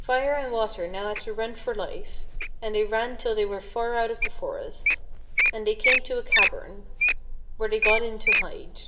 Fire and Water had now to run for life, and they ran till they were far out of the forest, and they came to a cavern, where they got in to hide.